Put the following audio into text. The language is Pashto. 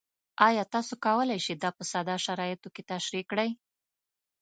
ایا تاسو کولی شئ دا په ساده شرایطو کې تشریح کړئ؟